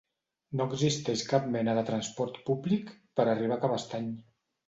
No existeix cap mena de transport públic per arribar a Cabestany.